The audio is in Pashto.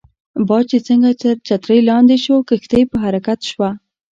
باد چې څنګه تر چترۍ لاندې شو، کښتۍ په حرکت شوه.